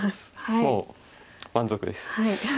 もう満足です。